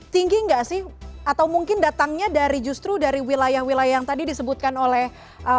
tinggi nggak sih atau mungkin datangnya dari justru dari wilayah wilayah yang tadi disebutkan oleh